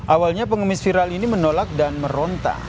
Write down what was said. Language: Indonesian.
awalnya pengemis viral ini menolak dan meronta